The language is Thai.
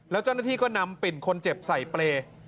แล้วเจ้าหน้าที่ก็นำปิ่นคนเจ็บใส่เปรย์